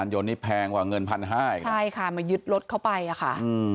ใช่ค่ะมันยึดรถเข้าไปค่ะ